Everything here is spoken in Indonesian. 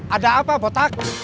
ada apa botak